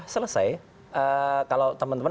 selesai kalau teman teman